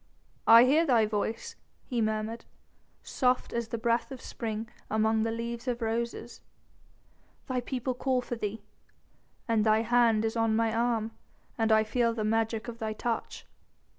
"I hear thy voice," he murmured, "soft as the breath of spring among the leaves of roses." "The people call for thee." "And thy hand is on my arm and I feel the magic of thy touch."